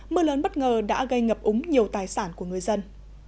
mưa lớn bất ngờ đã gây ngập úng nhiều tài sản của người dân